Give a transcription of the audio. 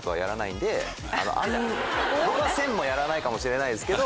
僕は千もやらないかもしれないですけど。